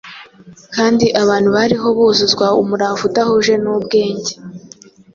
kandi abantu bariho buzuzwa umurava udahuje n’ubwenge.